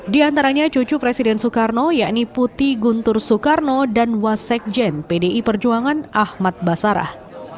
diantaranya cucu presiden soekarno yakni puti guntur soekarno dan wasek jen pdi perjuangan ahmad basarah